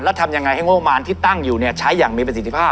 แล้วทำยังไงให้งบมารที่ตั้งอยู่เนี่ยใช้อย่างมีประสิทธิภาพ